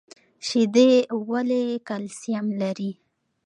شیدې ولې کلسیم لري؟